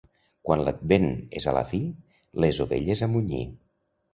Quan l'Advent és a la fi, les ovelles a munyir.